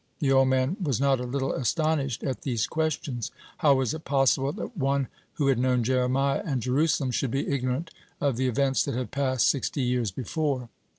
The old man was not a little astonished at these questions. How was it possible that one who had known Jeremiah and Jerusalem should be ignorant of the events that had passed sixty years before?